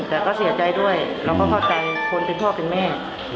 แต่ก็เสียใจด้วยแล้วก็เข้าใจคนเป็นพ่อเป็นแม่